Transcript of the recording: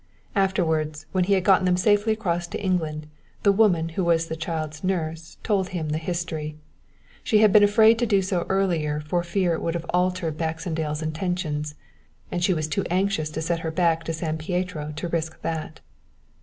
Afterwards, when he had got them safely across to England, the woman who was the child's nurse told him the history. She had been afraid to do so earlier for fear it would have altered Baxendale's intentions, and she was too anxious to set her back to San Pietro to risk that.